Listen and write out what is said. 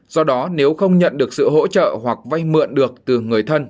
do đó nếu không nhận được sự hỗ trợ hoặc vay mượn được từ người thân